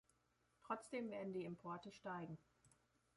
Trotzdem werden die Importe steigen.